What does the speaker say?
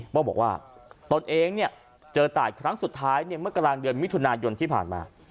บอกว่าตนเองเนี่ยเจอตายครั้งสุดท้ายเมื่อกลางเดือนมิถุนายนที่ผ่านมา